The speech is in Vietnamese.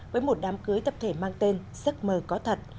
với một đám cưới tập thể mang tên giấc mơ có thật